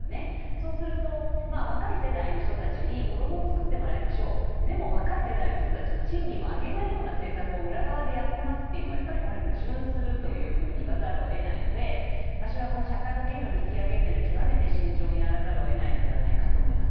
そうすると、若い世代の人たちに子どもを作ってもらいましょうでも若い世代の人たちの賃金を上げないような政策を裏側でやっていますというのはやっぱりこれは矛盾すると言わざるを得ないので私はこの社会保険料の引き上げは極めて慎重にならざるを得ないと思います。